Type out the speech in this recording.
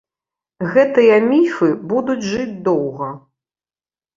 Гэтыя міфы будуць жыць доўга.